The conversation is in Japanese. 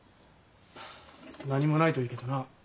何もないといいけどな。